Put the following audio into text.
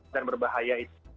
dan berbahaya itu